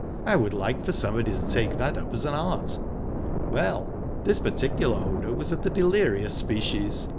I would like for somebody to take that up as an art...Well, this particular odour was of the delirious species.